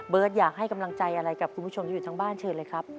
อยากให้กำลังใจอะไรกับคุณผู้ชมที่อยู่ทั้งบ้านเชิญเลยครับ